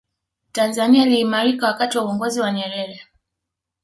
tanzania iliimarika wakati wa uongozi wa nyerere